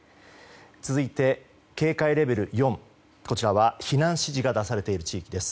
続いて、警戒レベル４こちらは避難指示が出されている地域です。